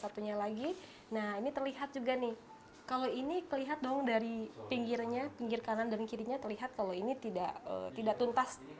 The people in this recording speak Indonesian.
satunya lagi nah ini terlihat juga nih kalau ini terlihat dong dari pinggirnya pinggir kanan dan kirinya terlihat kalau ini tidak tuntas